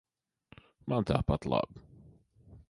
Man tāpat labi.